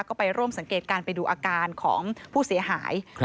ก็ไปร่วมสังเกตการณ์ไปดูอาการของผู้เสียหาย